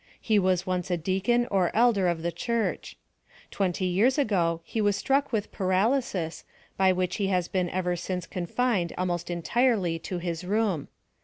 He was once a deacon or elder of the church. Twenty years ago he was struck with paralysis, by which he has been ever since confined almost entirely to his room.